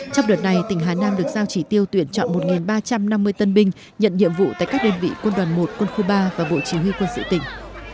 trong đợt này tỉnh hà nam được giao chỉ tiêu tuyển chọn một ba trăm năm mươi tân binh nhận nhiệm vụ tại các đơn vị quân đoàn một quân khu ba và bộ chỉ huy quân sự tỉnh